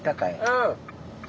うん。